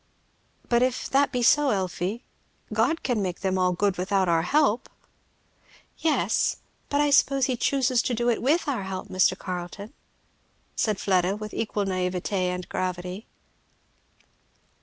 "But if that be so, Elfie, God can make them all good without our help?" "Yes, but I suppose he chooses to do it with our help, Mr. Carleton," said Fleda with equal naïveté and gravity.